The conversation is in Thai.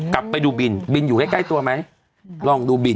กลับไปดูบินบินอยู่ใกล้ใกล้ตัวไหมลองดูบิน